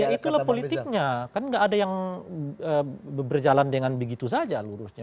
ya itulah politiknya kan nggak ada yang berjalan dengan begitu saja lurusnya